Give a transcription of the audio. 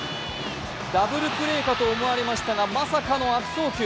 ダブルプレーかと思われましたがまさかの悪送球。